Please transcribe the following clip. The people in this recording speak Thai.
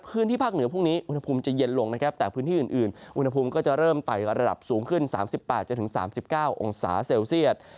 พื้นที่ภาคเหนือพรุ่งนี้อุณหภูมิจะเย็นลงนะครับแต่พื้นที่อื่นอุณหภูมิก็จะเริ่มไต่ระดับสูงขึ้น๓๘๓๙องศาเซลเซียต